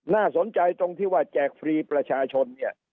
น่าสนใจตรงที่ว่าแจกฟรีประชาชนเนี่ย